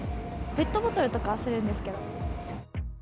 ペットボトルとかはするんですけれども。